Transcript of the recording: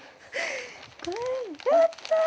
やった！